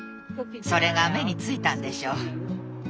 それが目についたんでしょう。